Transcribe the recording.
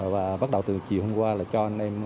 và bắt đầu từ chiều hôm qua là cho anh em